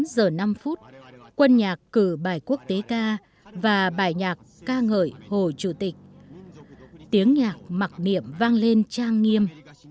bốn giờ năm phút quân nhạc cử bài quốc tế ca và bài nhạc ca ngợi hồ chủ tịch tiếng nhạc mặc niệm vang lên trang nghiêm